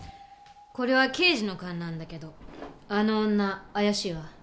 これは刑事の勘なんだけどあの女怪しいわ。